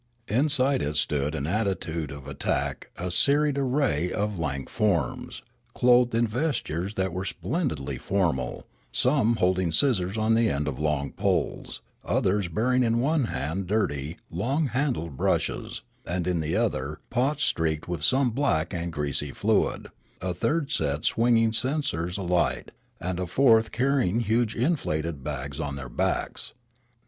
Inside it stood in an attitude of attack a serried arra}' of lank forms, clothed in vestures that were splendidly formal, some holding scissors on the end of long poles, others bearing in one hand dirty, long handled brushes, and, in the other, pots streaked with some black and greasy fluid, a third set swinging censers alight, and a fourth carrying huge inflaited bags on their backs.